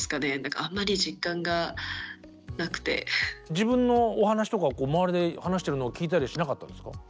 自分のお話とかを周りで話してるのを聞いたりはしなかったんですか？